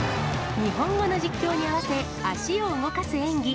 日本語の実況に合わせ、足を動かす演技。